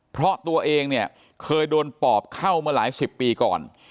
เพราะตัวเองเนี่ยเคยโดนปอบเข้ามาหลายสิบปีก่อน